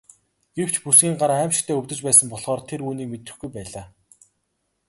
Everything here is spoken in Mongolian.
Гэвч бүсгүйн гар аймшигтай өвдөж байсан болохоор тэр үүнийг мэдрэхгүй байлаа.